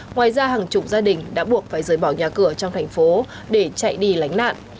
ngoài ra hàng chục gia đình đã buộc phải rời bỏ nhà cửa trong thành phố để chạy đi lánh nạn